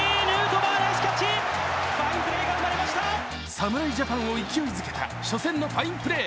侍ジャパンを勢いづけた初戦のファインプレー。